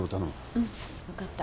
うん分かった。